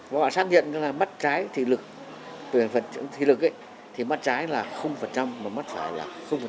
họ xác nhận cho là mắt trái thì lực thì mắt trái là mà mắt phải là